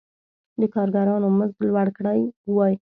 د کارګرانو مزد لوړ کړی وای.